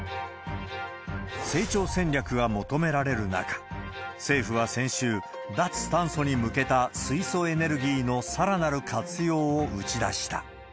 成長戦略が求められる中、政府は先週、脱炭素に向けた水素エネルギーのさらなる活用を打ち出した。